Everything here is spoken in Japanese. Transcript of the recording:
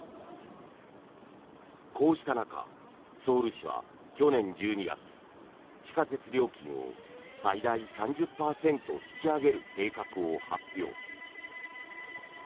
こうした中、ソウル市は去年１２月地下鉄料金を最大３０％引き上げる計画を発表。